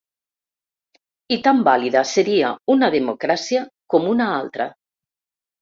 I tan vàlida seria una democràcia com una altra.